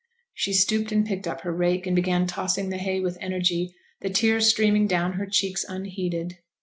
She stooped and picked up her rake, and began tossing the hay with energy, the tears streaming down her cheeks unheeded.